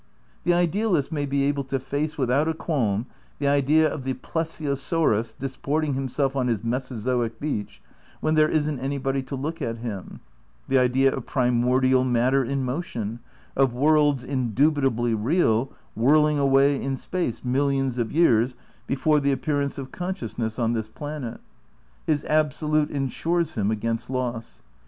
The idealist may be able to face without a quahn the idea of the plesiosaurus disporting himself on his mesozoic beach when there isn't anybody to look at him, the idea of primordial matter in motion, of worlds, indubitably real, whirling away in space millions of years before the appearance of consciousness on this 10 THE NEW IDEALISM I planet. His Absolute ensures liim against loss.